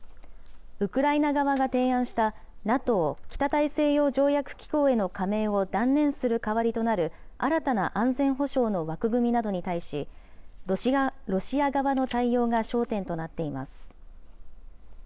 ウクライナ側が提案した、ＮＡＴＯ・北大西洋条約機構への加盟を断念する代わりとなる新たな安全保障の枠組みなどに対し、ロシア側の対応が焦点となっています。